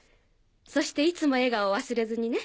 そしていつも笑顔を忘れずにね。